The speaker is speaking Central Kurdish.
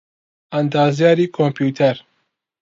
ئەندازیاریی کۆمپیوتەر